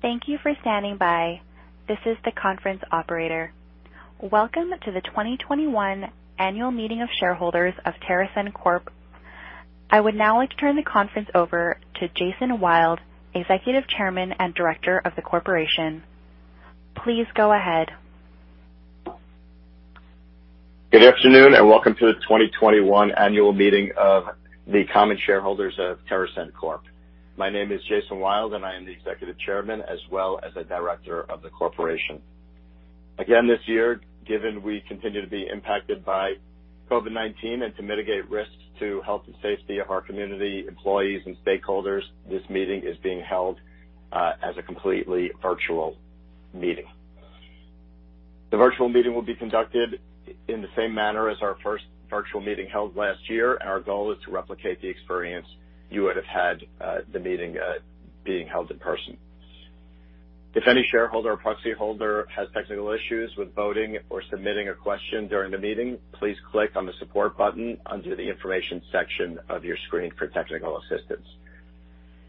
Thank you for standing by. This is the conference operator. Welcome to the 2021 Annual Meeting of shareholders of TerrAscend Corp. I would now like to turn the conference over to Jason Wild, Executive Chairman and Director of the corporation. Please go ahead. Good afternoon, and welcome to the 2021 Annual Meeting of the common shareholders of TerrAscend Corp. My name is Jason Wild, and I am the Executive Chairman as well as a Director of the corporation. Again, this year, given we continue to be impacted by COVID-19 and to mitigate risks to health and safety of our community, employees, and stakeholders, this meeting is being held as a completely virtual meeting. The virtual meeting will be conducted in the same manner as our first virtual meeting held last year. Our goal is to replicate the experience you would have had at the meeting being held in person. If any shareholder or proxy holder has technical issues with voting or submitting a question during the meeting, please click on the support button under the information section of your screen for technical assistance.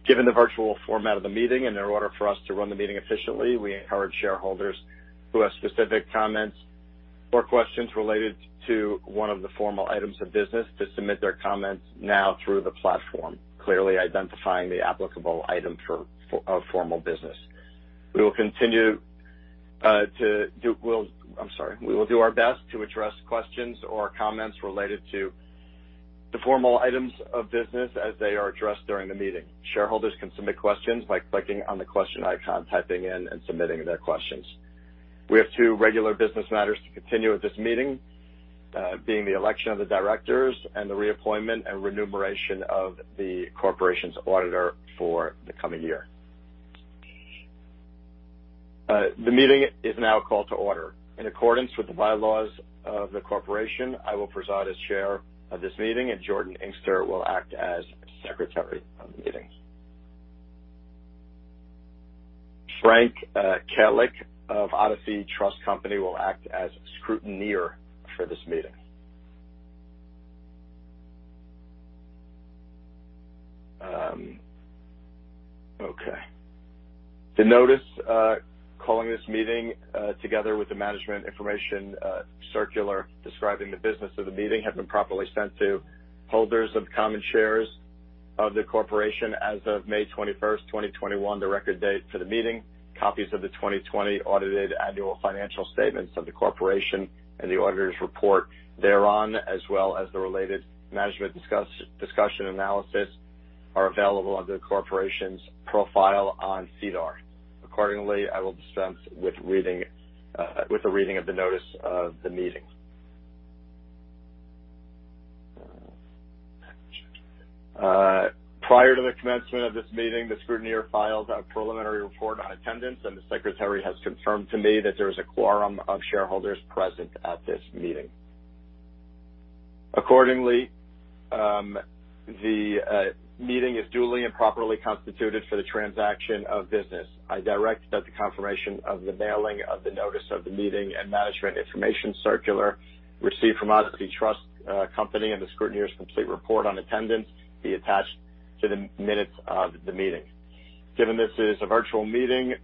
Given the virtual format of the meeting and in order for us to run the meeting efficiently, we encourage shareholders who have specific comments or questions related to one of the formal items of business to submit their comments now through the platform, clearly identifying the applicable item of formal business. We will do our best to address questions or comments related to the formal items of business as they are addressed during the meeting. Shareholders can submit questions by clicking on the question icon, typing in, and submitting their questions. We have two regular business matters to continue at this meeting, being the election of the directors and the reappointment and remuneration of the corporation's auditor for the coming year. The meeting is now called to order. In accordance with the bylaws of the corporation, I will preside as chair of this meeting, and Jordan Ingster will act as secretary of the meeting. Frank Kailik of Odyssey Trust Company will act as scrutineer for this meeting. Okay. The notice calling this meeting, together with the management information circular describing the business of the meeting, have been properly sent to holders of common shares of the corporation as of May 21st, 2021, the record date for the meeting. Copies of the 2020 audited annual financial statements of the corporation and the auditor's report thereon, as well as the related management discussion analysis, are available under the corporation's profile on SEDAR. Accordingly, I will dispense with the reading of the notice of the meeting. Prior to the commencement of this meeting, the scrutineer filed a preliminary report on attendance, and the secretary has confirmed to me that there is a quorum of shareholders present at this meeting. Accordingly, the meeting is duly and properly constituted for the transaction of business. I direct that the confirmation of the mailing of the notice of the meeting and management information circular received from Odyssey Trust Company and the scrutineer's complete report on attendance be attached to the minutes of the meeting. Given this is a virtual meeting,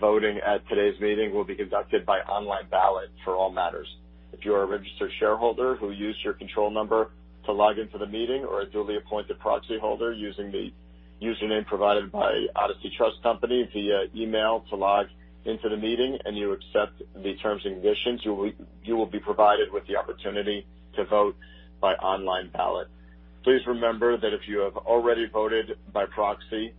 voting at today's meeting will be conducted by online ballot for all matters. If you are a registered shareholder who used your control number to log into the meeting or a duly appointed proxy holder using the username provided by Odyssey Trust Company via email to log into the meeting, and you accept the terms and conditions, you will be provided with the opportunity to vote by online ballot. Please remember that if you have already voted by proxy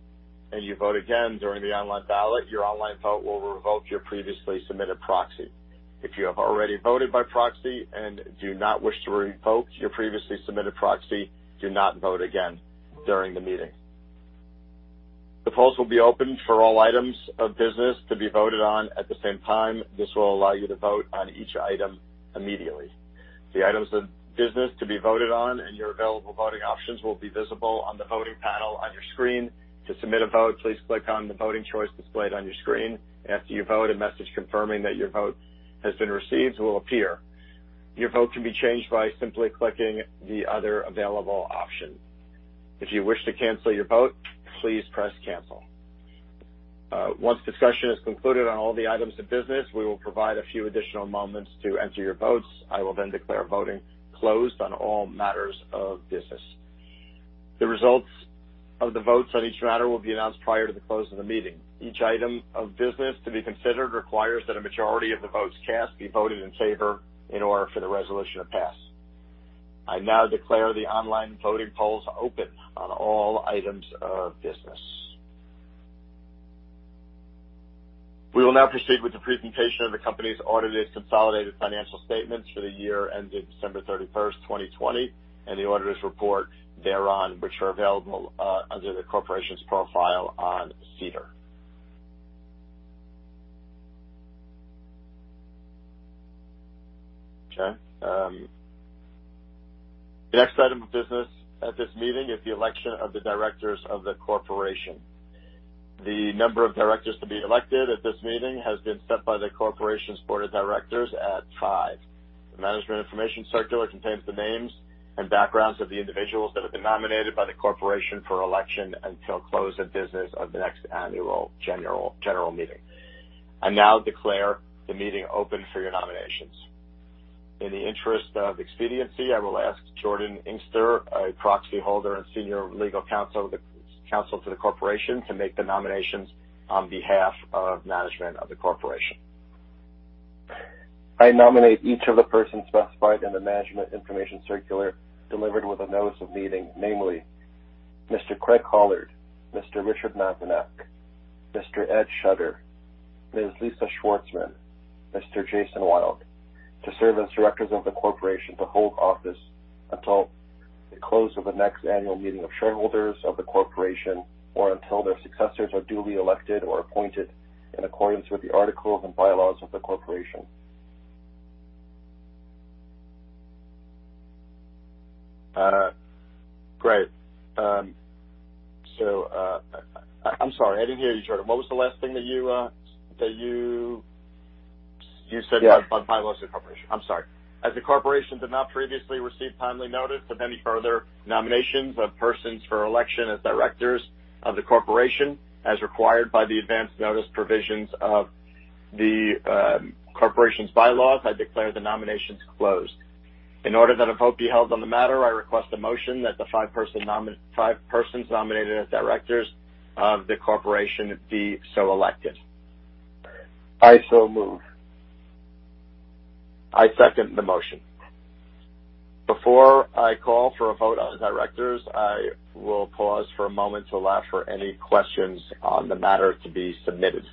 and you vote again during the online ballot, your online vote will revoke your previously submitted proxy. If you have already voted by proxy and do not wish to revoke your previously submitted proxy, do not vote again during the meeting. The polls will be open for all items of business to be voted on at the same time. This will allow you to vote on each item immediately. The items of business to be voted on and your available voting options will be visible on the voting panel on your screen. To submit a vote, please click on the voting choice displayed on your screen. After you vote, a message confirming that your vote has been received will appear. Your vote can be changed by simply clicking the other available option. If you wish to cancel your vote, please press cancel. Once discussion is concluded on all the items of business, we will provide a few additional moments to enter your votes. I will then declare voting closed on all matters of business. The results of the votes on each matter will be announced prior to the close of the meeting. Each item of business to be considered requires that a majority of the votes cast be voted in favor in order for the resolution to pass. I now declare the online voting polls open on all items of business. We will now proceed with the presentation of the company's audited consolidated financial statements for the year ending December 31st, 2020, and the auditor's report thereon, which are available under the corporation's profile on SEDAR. Okay. The next item of business at this meeting is the election of the directors of the corporation. The number of directors to be elected at this meeting has been set by the corporation's board of directors at five. The Management Information Circular contains the names and backgrounds of the individuals that have been nominated by the corporation for election until close of business of the next Annual General Meeting. I now declare the meeting open for your nominations. In the interest of expediency, I will ask Jordan Ingster, a proxy holder and senior legal counsel to the Corporation, to make the nominations on behalf of management of the Corporation. I nominate each of the persons specified in the Management Information Circular delivered with the notice of meeting, namely Mr. Craig Collard, Mr. Richard Mavrinac, Mr. Ed Schutter, Ms. Lisa Swartzman, Mr. Jason Wild, to serve as directors of the Corporation to hold office until the close of the next annual meeting of shareholders of the Corporation, or until their successors are duly elected or appointed in accordance with the articles and bylaws of the Corporation. Great. I'm sorry. I didn't hear you, Jordan. What was the last thing that you said about bylaws of the Corporation? I'm sorry. As the corporation did not previously receive timely notice of any further nominations of persons for election as directors of the corporation, as required by the advance notice provisions of the corporation's bylaws, I declare the nominations closed. In order that a vote be held on the matter, I request a motion that the five persons nominated as directors of the corporation be so elected. I so move. I second the motion. Before I call for a vote on the directors, I will pause for a moment to allow for any questions on the matter to be submitted.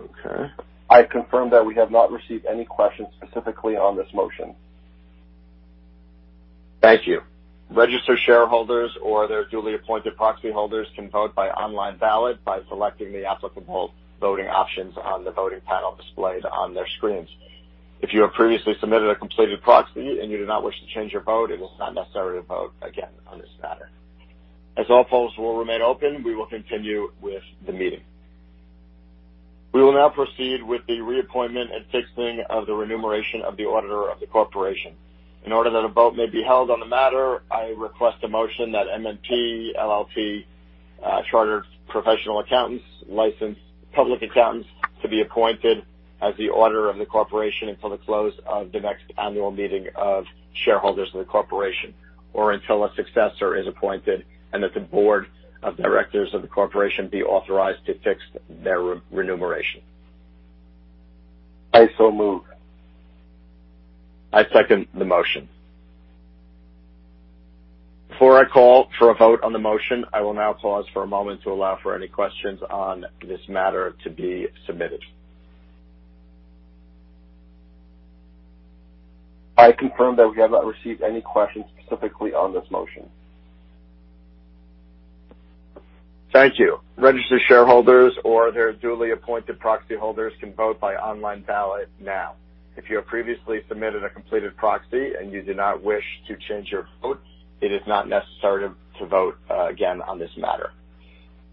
Okay. I confirm that we have not received any questions specifically on this motion. Thank you. Registered shareholders or their duly appointed proxy holders can vote by online ballot by selecting the applicable voting options on the voting panel displayed on their screens. If you have previously submitted a completed proxy and you do not wish to change your vote, it is not necessary to vote again on this matter. As all polls will remain open, we will continue with the meeting. We will now proceed with the reappointment and fixing of the remuneration of the auditor of the corporation. In order that a vote may be held on the matter, I request a motion that MNP LLP Chartered Professional Accountants, licensed public accountants, to be appointed as the auditor of the corporation until the close of the next annual meeting of shareholders of the corporation or until a successor is appointed and that the Board of Directors of the corporation be authorized to fix their remuneration. I so move. I second the motion. Before I call for a vote on the motion, I will now pause for a moment to allow for any questions on this matter to be submitted. I confirm that we have not received any questions specifically on this motion. Thank you. Registered shareholders or their duly appointed proxy holders can vote by online ballot now. If you have previously submitted a completed proxy and you do not wish to change your vote, it is not necessary to vote again on this matter.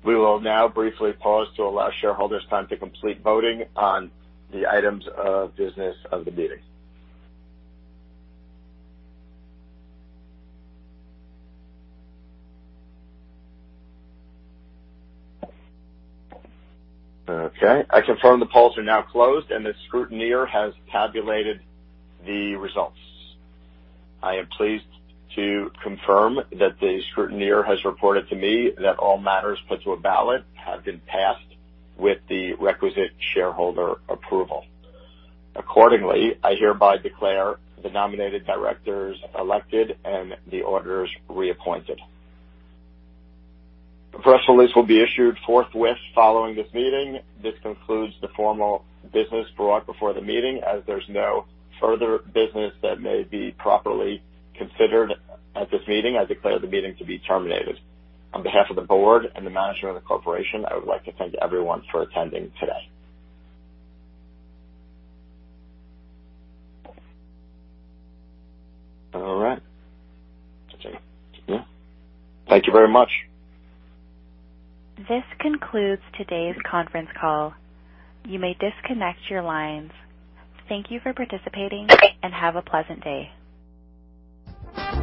We will now briefly pause to allow shareholders time to complete voting on the items of business of the meeting. Okay. I confirm the polls are now closed, and the scrutineer has tabulated the results. I am pleased to confirm that the scrutineer has reported to me that all matters put to a ballot have been passed with the requisite shareholder approval. Accordingly, I hereby declare the nominated directors elected and the auditors reappointed. The press release will be issued forthwith following this meeting. This concludes the formal business brought before the meeting. As there's no further business that may be properly considered at this meeting, I declare the meeting to be terminated. On behalf of the board and the management of the corporation, I would like to thank everyone for attending today. All right. Yeah. Thank you very much. This concludes today's conference call. You may disconnect your lines. Thank you for participating and have a pleasant day.